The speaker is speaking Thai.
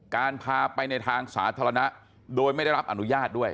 การพาไปในทางสาธารณะโดยไม่ได้รับอนุญาตด้วย